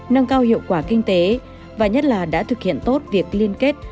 nâng cao hiệu quả kinh tế và nhất là đã thực hiện tốt việc liên kết